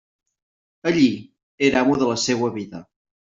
Allí era amo de la seua vida.